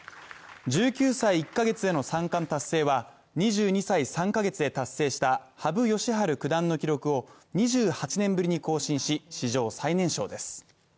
１９歳１カ月での三冠達成は２２歳３カ月で達成した羽生善治九段の記録を２８年ぶりに更新し、史上最年少です。